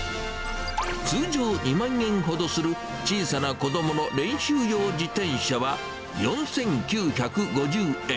通常２万円ほどする、小さな子どもの練習用自転車は、４９５０円。